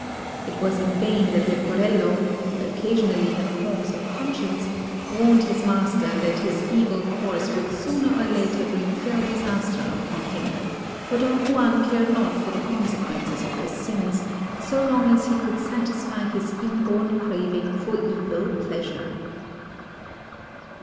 It was in vain that Leporello, who occasionally had qualms of conscience, warned his master that his evil course would sooner or later bring fell disaster upon him; for Don Juan cared not for the consequences of his sins, so long as he could satisfy his inborn craving for evil pleasure.